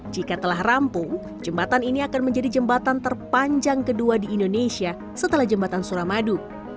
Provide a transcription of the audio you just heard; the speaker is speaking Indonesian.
jika telah rampung jembatan ini akan menjadi jembatan terpanjang kedua di indonesia setelah jembatan suramadu